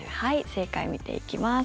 正解を見ていきます。